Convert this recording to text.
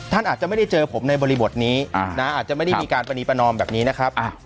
ท่านอาจจะไม่ได้เจอผมในบริบทนี้นะอาจจะไม่ได้มีการปรณีประนอมแบบนี้นะครับ